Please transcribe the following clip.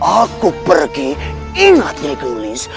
aku pergi ingatnya igris